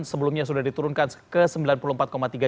sebelumnya sudah diturunkan ke sembilan puluh empat tiga persen